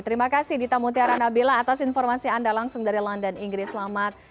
terima kasih dita mutiara nabila atas informasi anda langsung dari london inggris selamat